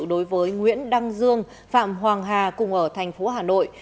đối với nguyễn đăng dương phạm hoàng hà cùng ở thành phố hà nội